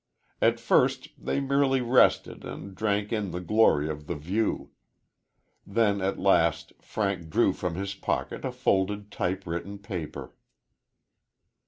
At first they merely rested and drank in the glory of the view. Then at last Frank drew from his pocket a folded typewritten paper.